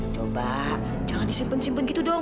coba jangan disimpan simpen gitu dong